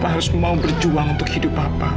papa harus mau berjuang untuk hidup papa